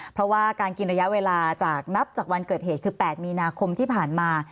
เพราะว่าการกินระยะเวลาจากนับจากวันเกิดเหตุคือ๘มีนาคมที่ผ่านมา